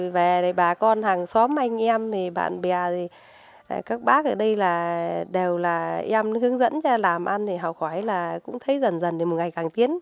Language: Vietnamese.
về bà con hàng xóm anh em bạn bè các bác ở đây đều là em nó hướng dẫn ra làm ăn thì học hỏi là cũng thấy dần dần một ngày càng tiến